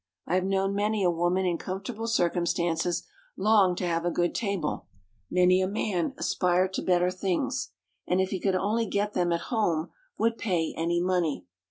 I have known many a woman in comfortable circumstances long to have a good table, many a man aspire to better things, and if he could only get them at home would pay any money.